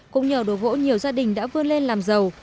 cũng nhờ đồ gỗ nhiều gia đình đã vươn lên làm giàu